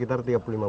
ini untuk harga masuk